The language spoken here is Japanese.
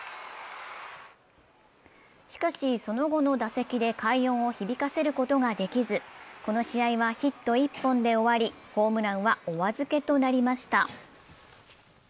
しかし、その後の打席で快音を響かせることができずこの試合はヒット１本で終わり、ホームランはお預けとなりました。